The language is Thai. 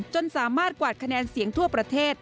จนสามารถกวาดคะแนนเสียงทั่วประเทศ